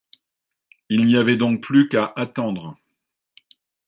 Il n’y avait donc plus qu’à attendre.